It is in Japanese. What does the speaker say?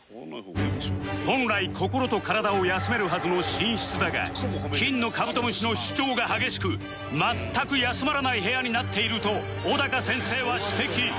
本来心と体を休めるはずの寝室だが金のカブトムシの主張が激しく全く休まらない部屋になっていると小高先生は指摘